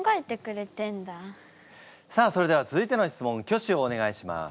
さあそれでは続いての質問挙手をお願いします。